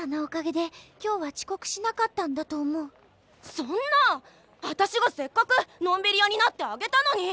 そんな私がせっかくのんびり屋になってあげたのに。